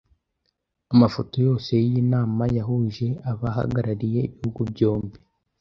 amafoto yose y’iyi nama yahuje abahagarariye ibihugu byombi.